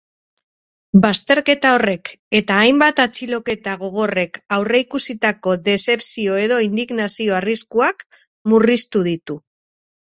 Bazterketa horrek eta hainbat atxiloketa gogorrek aurreikusitako dezepzio edo indignazio arriskuak murriztu ditu.